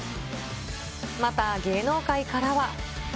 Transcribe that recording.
また芸能界からは。